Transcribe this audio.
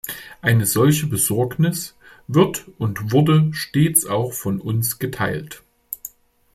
Eine solche Besorgnis wird und wurde stets auch von uns geteilt.